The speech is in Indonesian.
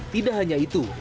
tidak hanya itu